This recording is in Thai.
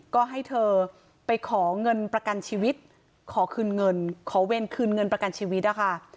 ก็ให้เธอไปขอเงินประกันชีวิตขอคืนเงินขอเวรคืนเงินประกันชีวิตนะคะ